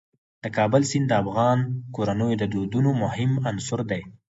د کابل سیند د افغان کورنیو د دودونو مهم عنصر دی.